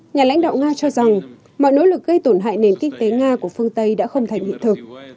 nhà lãnh đạo nga cho rằng mọi nỗ lực gây tổn hại nền kinh tế nga của phương tây đã không thành hiện thực